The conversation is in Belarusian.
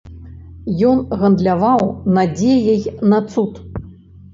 Ён гандляваў надзеяй на цуд.